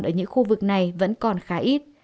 ở những khu vực này vẫn còn khá ít